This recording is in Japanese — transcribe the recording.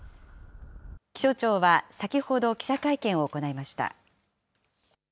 気象庁は先ほど記者会見を行いました。